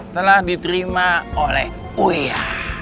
telah diterima oleh uia